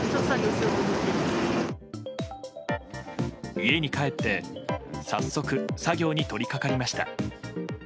家に帰って、早速作業に取り掛かりました。